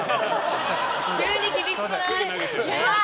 急に厳しくない？